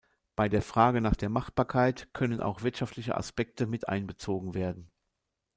Bei der Frage nach der Machbarkeit können auch wirtschaftliche Aspekte mit einbezogen werden.